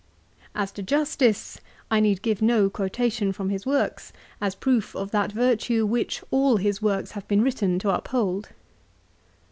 As to justice I need give no quotation from his works as proof of that virtue which all his works have been written to uphold.